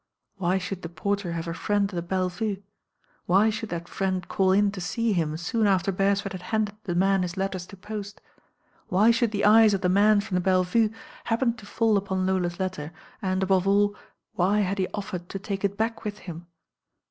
Why should the porter have a friend at the Belle Vue? Why should that friend call in to see him soon after Beresford had handed the man his letters to post? Why should the eyes of the man from the Belle Vue happen to fall upon Lola's letter, and, above all, why had he offered to take it back with him?